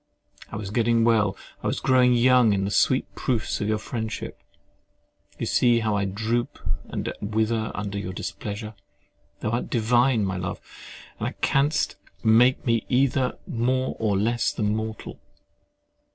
I was getting well, I was growing young in the sweet proofs of your friendship: you see how I droop and wither under your displeasure! Thou art divine, my love, and canst make me either more or less than mortal.